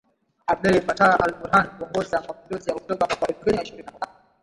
Abdel Fattah al-Burhan kuongoza mapinduzi ya Oktoba mwaka elfu mbili na ishirini na moja